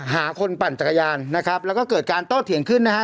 หาคนปั่นจักรยานนะครับแล้วก็เกิดการโต้เถียงขึ้นนะฮะ